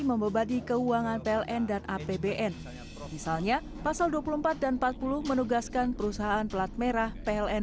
membebadi keuangan pln dan apbn misalnya pasal dua puluh empat dan empat puluh menugaskan perusahaan pelat merah pln